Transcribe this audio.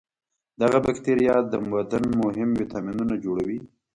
دغه بکتریا د بدن مهم ویتامینونه جوړوي.